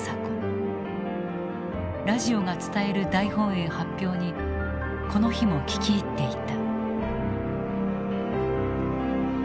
ラジオが伝える大本営発表にこの日も聞き入っていた。